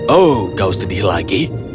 oh kau sedih lagi